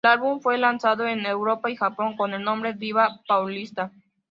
El álbum fue lanzado en en Europa y Japón con el nombre "Diva Paulista".